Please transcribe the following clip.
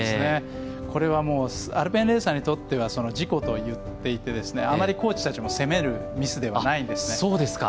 これはアルペンレーサーにとっては事故といっていてあまりコーチたちも攻めるミスではないんです。